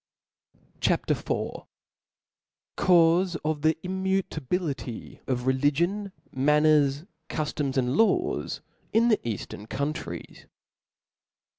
C tl A P. IV. Caufe of the Immutability of Religion^ Manners, Ciijiomsy and Laws, in the Eajiern Countries.